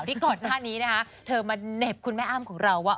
ที่ก่อนหน้านี้นะคะเธอมาเหน็บคุณแม่อ้ำของเราว่า